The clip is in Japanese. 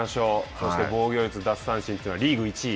そして防御率奪三振というのは、リーグ１位。